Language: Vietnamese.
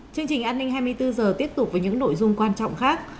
chương trình an ninh hai mươi bốn h tiếp tục với những nội dung quan trọng khác